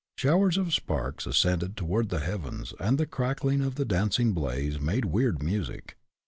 Showers of sparks ascended toward the heavens, and the crackling of the dancing blaze made weird music.